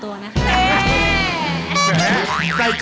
ไว้